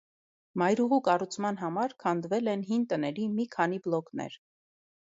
Մայրուղու կառուցման համար քանդվել են հին տների մի քանի բլոկներ։